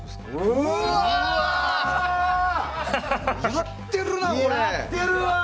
やってるな、これ。